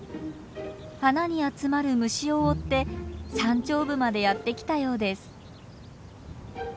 花に集まる虫を追って山頂部までやって来たようです。